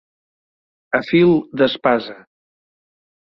A fil d'espasa.